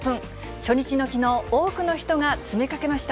初日のきのう、多くの人が詰めかけました。